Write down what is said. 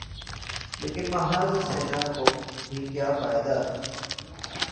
لیکن محض سینہ کوبی کا کیا فائدہ؟